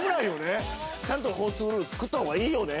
ちゃんと交通ルール作った方がいいよね。